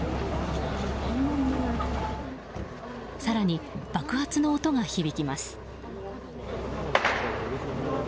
更に爆発の音が響きます。